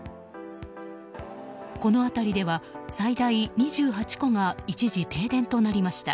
この辺りでは、最大２８戸が一時停電となりました。